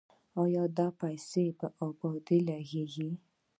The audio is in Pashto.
آیا دا پیسې په ابادۍ لګیږي؟